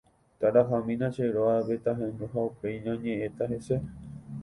Tarahamína che rógape, tahendu ha upéi ñañe'ẽta hese.